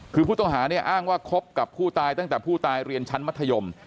คือผู้ต้องหาเนี่ยอ้างว่าคบกับผู้ตายตั้งแต่ผู้ตายเรียนชั้นมัธยม